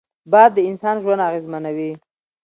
باد د انسان ژوند اغېزمنوي